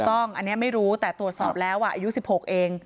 ถูกต้องอันนี้ไม่รู้แต่ตรวจสอบแล้วอายุ๑๖เอง